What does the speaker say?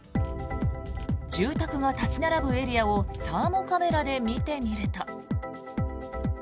住宅が立ち並ぶエリアをサーモカメラで見てみると。